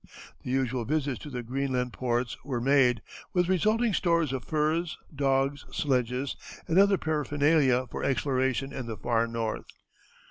The usual visits to the Greenland ports were made, with resulting stores of furs, dogs, sledges, and other paraphernalia for exploration in the far North.